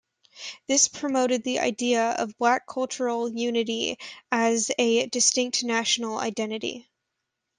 This promoted the idea of black cultural unity as a distinct national identity.